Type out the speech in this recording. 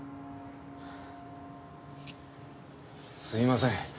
すいません。